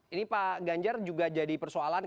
ini pak ganjar juga jadi persoalan